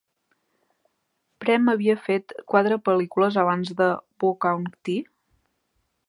Prem havia fet quatre pel·lícules abans de Woh Kaun Thi?